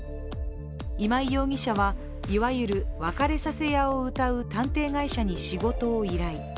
今井容疑者はいわゆる別れさせ屋をうたう探偵会社に仕事を依頼。